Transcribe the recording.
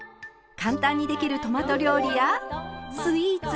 簡単にできるトマト料理やスイーツ。